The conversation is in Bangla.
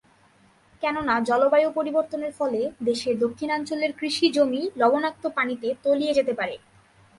কেননা জলবায়ু পরিবর্তনের ফলে দেশের দক্ষিণাঞ্চলের কৃষিজমি লবণাক্ত পানিতে তলিয়ে যেতে পারে।